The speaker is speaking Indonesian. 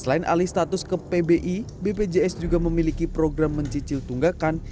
selain alih status ke pbi bpjs juga memiliki program mencicil tunggakan